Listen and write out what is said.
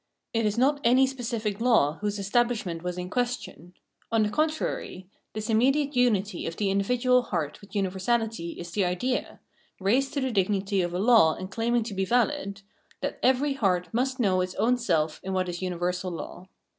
It is not any specific law whose estabhshment was in question ; on the contrary, the immediate unity of the individual heart with universahty is the idea — raised to the dignity of a law and claiming to be vahd — that every heart must know its own self in what is universal law.